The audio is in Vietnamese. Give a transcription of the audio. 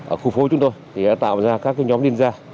ở khu phố chúng tôi thì đã tạo ra các nhóm liên gia